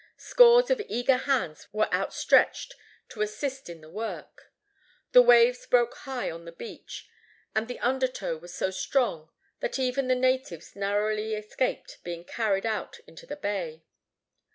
Scores of eager hands were outstretched to assist in the work. The waves broke high on the beach, and the undertow was so strong that even the natives narrowly escaped being carried out into the bay.